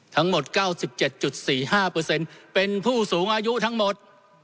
ทั้งหมด๙๗๔๕เป็นผู้สูงอายุทั้งหมด